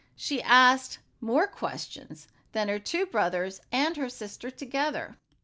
She asked more questions than her two brothers and her sister together.